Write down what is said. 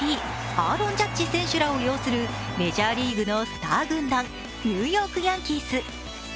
アーロン・ジャッジ選手らを擁するメジャーリーグのスター軍団、ニューヨーク・ヤンキース。